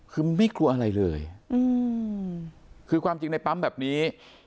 คือมันไม่กลัวอะไรเลยคือความจริงในปั๊มแบบนี้